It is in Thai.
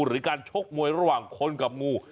หรือการชกมวยระหว่างคนกับงู